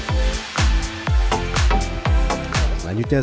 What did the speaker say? selanjutnya saya membuatkan kacang yang telah digoreng